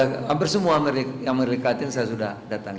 hampir semua amerika saya sudah datang